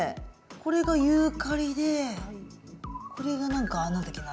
これがユーカリでこれが何だっけな？